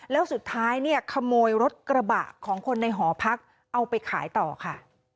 แล้วสุดท้ายเนี่ยขโมยรถกระบะของคนในหอพักเอาไปขายต่อค่ะ